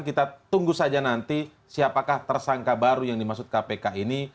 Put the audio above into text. kita tunggu saja nanti siapakah tersangka baru yang dimaksud kpk ini